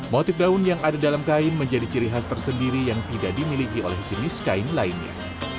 motif daun yang ada dalam kain menjadi ciri khas tersendiri yang tidak dimiliki oleh jenis kain lainnya